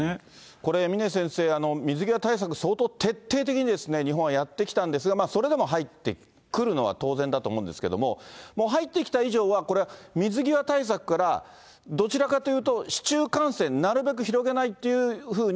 これ、峰先生、水際対策、相当徹底的に日本はやってきたんですが、それでも入ってくるのは当然だと思うんですけれども、もう入ってきた以上は、これ、水際対策から、どちらかというと、市中感染、なるべく広げないっていうふうに、